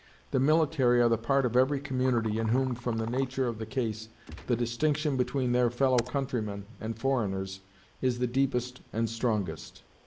The military are the part of every community in whom, from the nature of the case, the distinction between their fellow countrymen and foreigners is the deepest and strongest.